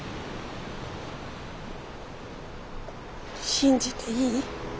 信じていい？